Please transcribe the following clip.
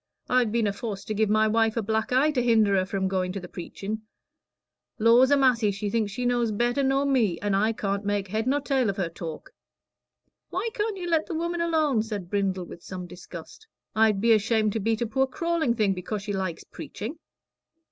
"I've been aforced to give my wife a black eye to hinder her from going to the preachin'. Lors a massy, she thinks she knows better nor me, and I can't make head nor tail of her talk." "Why can't you let the woman alone?" said Brindle, with some disgust. "I'd be ashamed to beat a poor crawling thing 'cause she likes preaching."